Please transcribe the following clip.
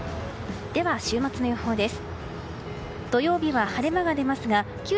では、週末の予報です。